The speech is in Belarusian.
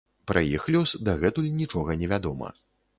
Пра іх лёс дагэтуль нічога невядома.